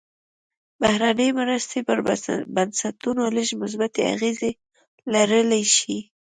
بهرنۍ مرستې پر بنسټونو لږې مثبتې اغېزې لرلی شي.